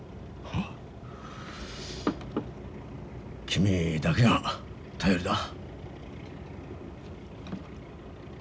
君だけが頼りだ。